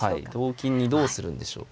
同金にどうするんでしょう。